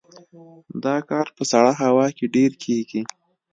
دا کار په سړه هوا کې ډیر کیږي